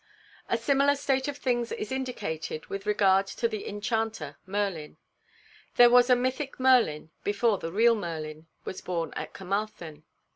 A similar state of things is indicated with regard to the enchanter Merlin; there was a mythic Merlin before the real Merlin was born at Carmarthen.